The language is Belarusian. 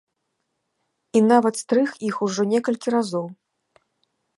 І нават стрыг іх ужо некалькі разоў.